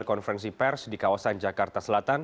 konferensi pers di kawasan jakarta selatan